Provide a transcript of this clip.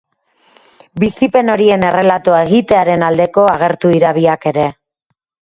Bizipen horien errelatoa egitearen aldeko agertu dira biak ere.